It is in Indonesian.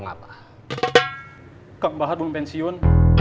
kalau kang bahat pensiun